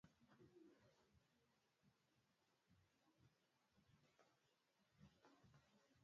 mia tisa sabini na mbiliRais wa zamani wa Marekani George Bush tisini na